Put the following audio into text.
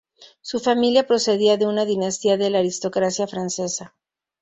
Su familia procedía de una dinastía de la aristocracia francesa.